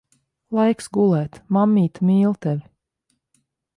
Laiks gulēt. Mammīte mīl tevi.